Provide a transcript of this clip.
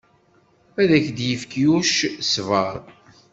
Ad ak-d-yefk Yuc ṣṣber.